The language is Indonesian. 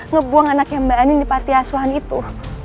ngebuang anaknya mbak anin di panti asuhan itu